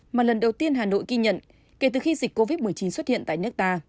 mà lần đầu tiên hà nội ghi nhận kể từ khi dịch covid một mươi chín xuất hiện tại nước ta